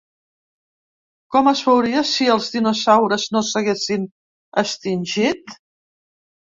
Com es viuria si els dinosaures no s’haguessin extingit?